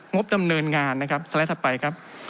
บดำเนินงานนะครับสไลด์ถัดไปครับ